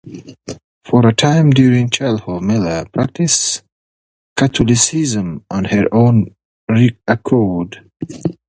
For a time during childhood, Miller practiced Catholicism on her own accord.